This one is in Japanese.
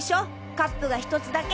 カップが１つだけ。